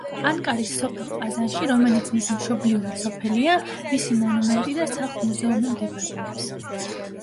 ანკარის სოფელ ყაზანში, რომელიც მისი მშობლიური სოფელია, მისი მონუმენტი და სახლ-მუზეუმი მდებარეობს.